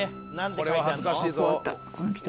これは恥ずかしいぞ！